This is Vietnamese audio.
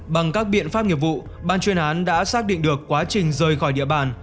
bằng các biện pháp nghiệp vụ ban chuyên án đã xác định được quá trình rời khỏi địa bàn